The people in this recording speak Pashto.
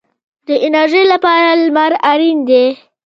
د انرژۍ لپاره لمر اړین دی